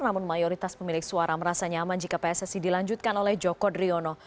namun mayoritas pemilik suara merasa nyaman jika pssi dilanjutkan oleh joko driono